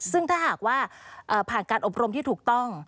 ซึ่งถ้าหากว่าผ่านการอบรมที่ถูกต้อง